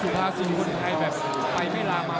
สุภาษีคนไทยแบบไปไม่ลามา